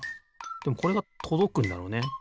でもこれがとどくんだろうね。